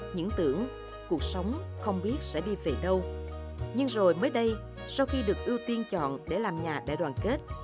những tưởng cuộc sống không biết sẽ đi về đâu nhưng rồi mới đây sau khi được ưu tiên chọn để làm nhà đại đoàn kết